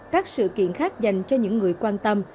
các sự kiện khác dành cho những người quan tâm